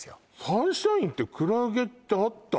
サンシャインってクラゲってあった？